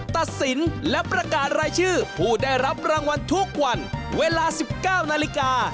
ตัดสินและประกาศรายชื่อผู้ได้รับรางวัลทุกวันเวลา๑๙นาฬิกา